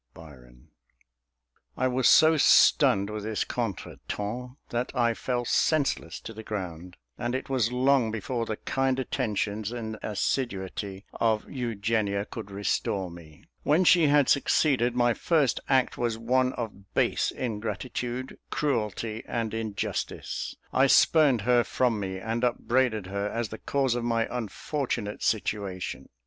BYRON. I was so stunned with this contretemps, that I fell senseless to the ground; and it was long before the kind attentions and assiduity of Eugenia could restore me. When she had succeeded, my first act was one of base ingratitude, cruelty, and injustice: I spurned her from me, and upbraided her as the cause of my unfortunate situation.